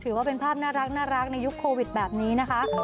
ถือว่าเป็นภาพน่ารักในยุคโควิดแบบนี้นะคะ